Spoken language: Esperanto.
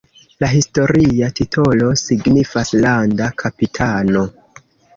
La historia titolo signifas "landa kapitano".